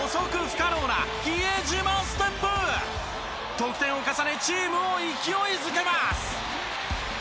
得点を重ねチームを勢いづけます。